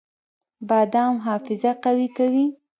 بادام حافظه قوي کوي